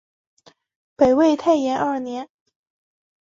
北魏太延二年。